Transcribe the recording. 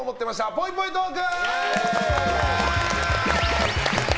ぽいぽいトーク！